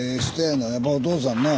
やっぱお父さんね。